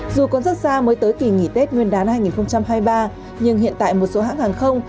dù còn rất xa mới tới kỳ nghỉ tết nguyên đán hai nghìn hai mươi ba nhưng hiện tại một số hãng hàng không